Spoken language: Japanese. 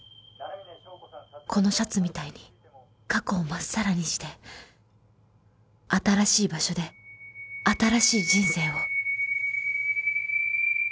このシャツみたいに過去を真っさらにして新しい場所で新しい人生を